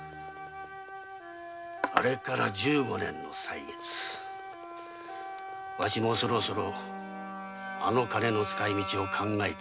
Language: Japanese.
あれから十五年の歳月わしもそろそろあの金の遣い道を考えていたところだ。